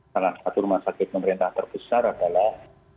salah satu rumah sakit pemerintah terbesar adalah